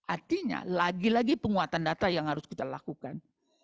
artinya lagi lagi penguatan data yang harus kita lakukan